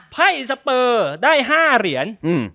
ไพ่สเปอร์ได้๕เหรียญ